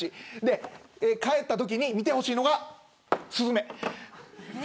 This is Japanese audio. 帰ったときに見てほしいのがスズメ。